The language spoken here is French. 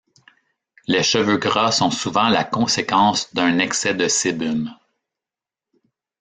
Les cheveux gras sont souvent la conséquence d'un excès de sébum.